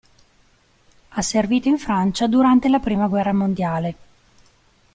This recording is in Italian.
Ha servito in Francia durante la prima guerra mondiale.